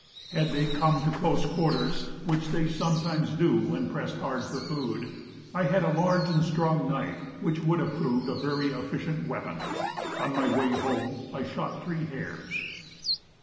Had they come to close quarters (which they sometimes do when pressed hard for food) I had a large and strong knife which would have proved a very efficient weapon. On my way home I shot three hares.